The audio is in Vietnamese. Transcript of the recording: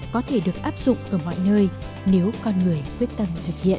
có thể được áp dụng ở mọi nơi nếu con người quyết tâm thực hiện